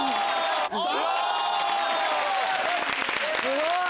すごい！